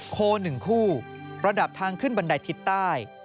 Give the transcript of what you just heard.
โค๑คู่ประดับทางขึ้นบันไดทิศใต้